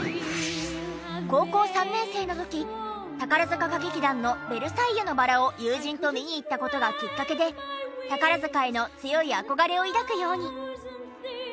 高校３年生の時宝塚歌劇団の『ベルサイユのばら』を友人と見に行った事がきっかけで宝塚への強い憧れを抱くように。